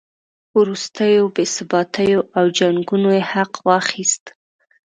وروستیو بې ثباتیو او جنګونو یې حق واخیست.